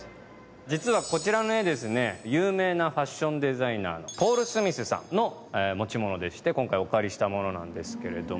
実はこちらの絵有名なファッションデザイナーのポール・スミスさんの持ち物でして今回お借りしたものなんですけれども。